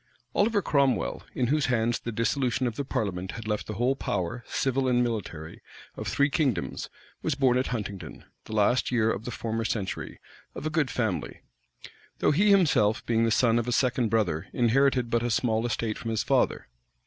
{1653.} OLIVER CROMWELL, in whose hands the dissolution of the parliament had left the whole power, civil and military, of three kingdoms, was born at Huntingdon, the last year of the former century, of a good family; though he himself, being the son of a second brother, inherited but a small estate from his father.